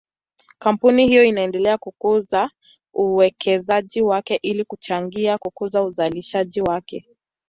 Kampuni hiyo inaendelea kukuza uwekezaji wake ili kuchangia kukuza uzalishaji wake.